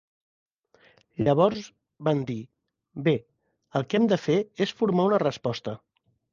Llavors, van dir, "Bé, el que hem de fer és formar una resposta.